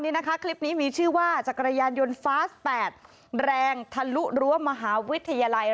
นี่นะคะคลิปนี้มีชื่อว่าจักรยานยนต์ฟาส๘แรงทะลุรั้วมหาวิทยาลัย